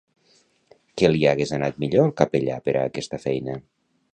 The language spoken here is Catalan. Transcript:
Què li hagués anat millor al capellà per a aquesta feina?